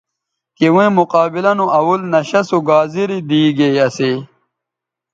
تویں مقابلہ نو اول نشہ سو گازرے دیگے اسے